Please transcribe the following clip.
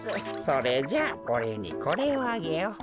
それじゃあおれいにこれをあげよう。